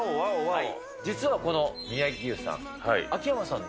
実はこの宮城湯さん。